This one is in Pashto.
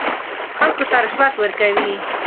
خلکو ته رشوت ورکوي.